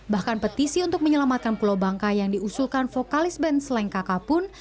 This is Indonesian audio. bahkan petisi untuk menyelamatkan pulau bangka yang diusulkan vokalis band sleng kaka pun